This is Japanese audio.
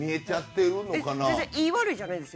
いい、悪いじゃないです。